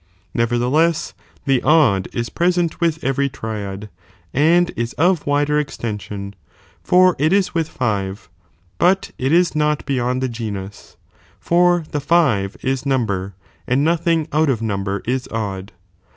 Nevertbeleflf the odd is present with every triad, and is of wider extengioOi' for it is with ive, but it is not beyond the genus,t for Uic five is number, and nothing out of num pi"'™ beriaodd.